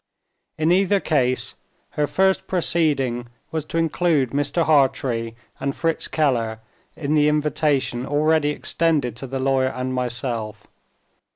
In either case, her first proceeding was to include Mr. Hartrey and Fritz Keller in the invitation already extended to the lawyer and myself.